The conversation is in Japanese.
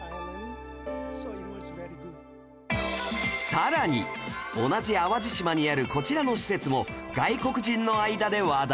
さらに同じ淡路島にあるこちらの施設も外国人の間で話題に